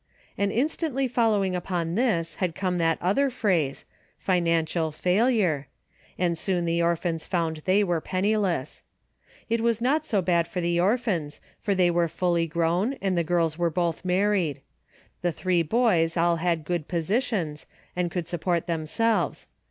And instantly fol lowing upon this had come that other phrase, " financial failure," and soon the orphans found they were penniless. This was not so bad for the orphans, for they were fully grown and the girls were both married. The three boys 20 A DAILY BATEI^ all had good positions and could support them selves.